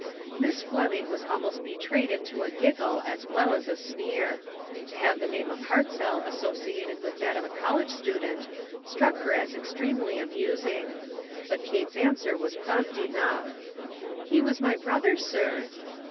Miss Fleming was almost betrayed into a giggle as well as a sneer. To have the name of Hartzell associated with that of a college student struck her as extremely amusing. But Kate's answer was prompt enough :" lie was my brother, sir."